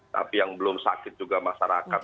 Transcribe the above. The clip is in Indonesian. tapi yang belum sakit juga masyarakat